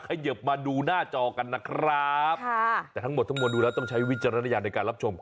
ขยิบมาดูหน้าจอกันนะครับค่ะแต่ทั้งหมดทั้งมวลดูแล้วต้องใช้วิจารณญาณในการรับชม